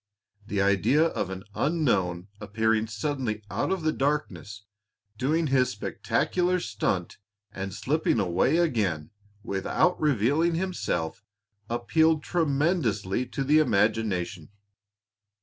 The idea of an unknown appearing suddenly out of the darkness, doing his spectacular stunt, and slipping away again without revealing himself appealed tremendously to the imagination.